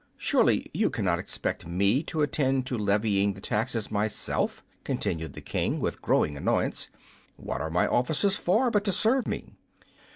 Surely you cannot expect me to attend to levying the taxes myself," continued the King, with growing annoyance. "What are my officers for, but to serve me?"